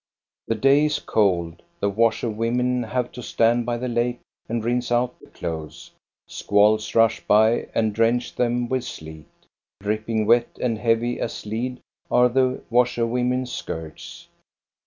The day is cold, the washerwomen have to stand by the lake and rinse out the clothes. Squalls rush by and drench them with sleet. Dripping wet and heavy as lead are the washerwomen's skirts.